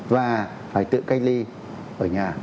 và phải tự cách ly ở nhà